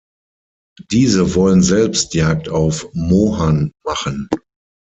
Diese wollen selbst Jagd auf Mohan machen.